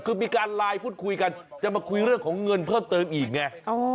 คือมีการไลน์พูดคุยกันจะมาคุยเรื่องของเงินเพิ่มเติมอีกไง